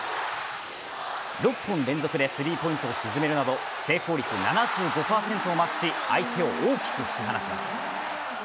６本連続でスリーポイントを沈めるなど成功率７５％をマークし相手を大きく引き離します。